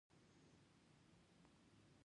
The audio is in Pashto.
دا په پراخه پیمانه استعمالیږي.